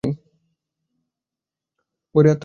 ঘরে তখন আর কেহই নাই।